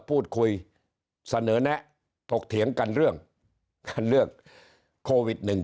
พูดคุยเสนอแนะถกเถียงกันเรื่องการเลือกโควิดหนึ่ง